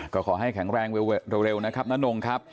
ก็ขอให้แข็งแรงเร็วนะครับน้านงครับ